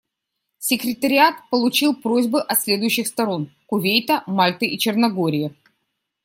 Секретариат получил просьбы от следующих сторон: Кувейта, Мальты и Черногории.